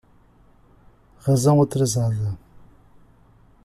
Razão atrasada